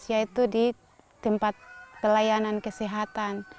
yaitu di tempat pelayanan kesehatan